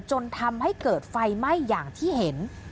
จนทำให้เกิดไฟไหม้อย่างที่เห็น